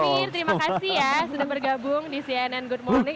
amir terima kasih ya sudah bergabung di cnn good morning